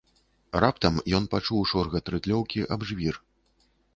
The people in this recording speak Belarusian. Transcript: Раптам ён пачуў шоргат рыдлёўкі аб жвір.